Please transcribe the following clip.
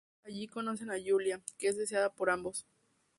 Allí conocen a Yulia, que es deseada por ambos.